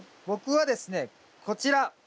僕はですねこちら。